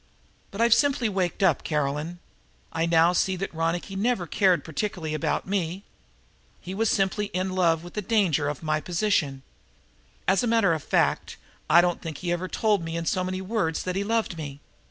But I've simply waked up, Caroline. I see now that Ronicky never cared particularly about me. He was simply in love with the danger of my position. As a matter of fact I don't think he ever told me in so many words that he loved me.